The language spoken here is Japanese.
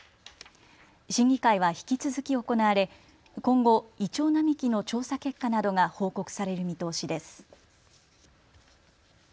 審議会は引き続き行われ今後、イチョウ並木の調査結果などが報告される見通しです。